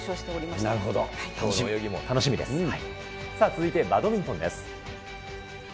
続いてバドミントンです。